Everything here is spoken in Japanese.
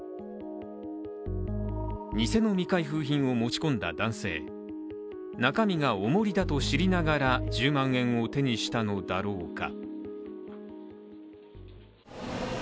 偽の未開封品を持ち込んだ男性、中身がおもりだと知りながら１０万円を手にしたのだろうか。